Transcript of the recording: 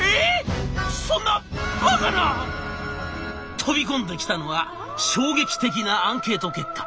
飛び込んできたのは衝撃的なアンケート結果。